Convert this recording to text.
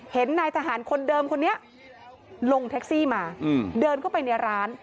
นายทหารคนเดิมคนนี้ลงแท็กซี่มาเดินเข้าไปในร้าน